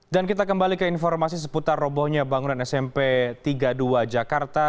dan kita kembali ke informasi seputar robonya bangunan smp tiga dua jakarta